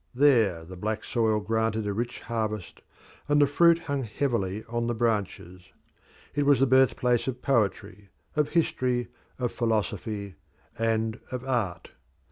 There the black soil granted a rich harvest and the fruit hung heavily on the branches. It was the birth place of poetry, of history, of philosophy, and of art.